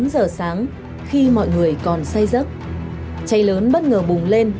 bốn giờ sáng khi mọi người còn say rớt cháy lớn bất ngờ bùng lên